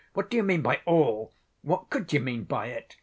What do you mean by all? What could you mean by it?